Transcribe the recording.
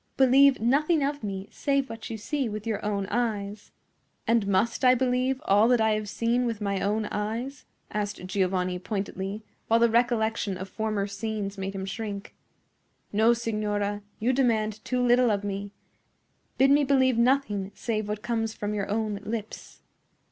Believe nothing of me save what you see with your own eyes." "And must I believe all that I have seen with my own eyes?" asked Giovanni, pointedly, while the recollection of former scenes made him shrink. "No, signora; you demand too little of me. Bid me believe nothing save what comes from your own lips."